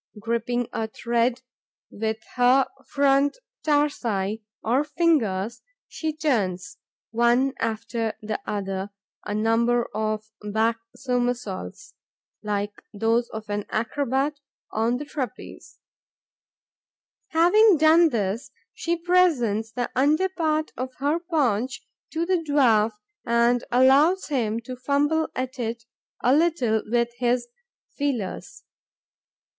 Gripping a thread with her front tarsi, or fingers, she turns, one after the other, a number of back somersaults, like those of an acrobat on the trapeze. Having done this, she presents the under part of her paunch to the dwarf and allows him to fumble at it a little with his feelers.